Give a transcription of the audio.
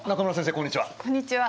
こんにちは。